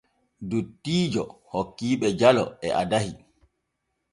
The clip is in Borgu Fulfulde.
Dottiijo hokkiiɓe jalo e addahi.